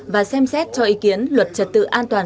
và xem xét cho ý kiến luật trật tự an toàn